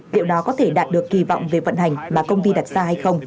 liệu đó có thể đạt được kỳ vọng về vận hành mà công ty đặt ra hay không